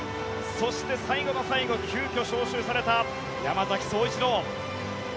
そして、最後の最後急きょ招集された山崎颯一郎。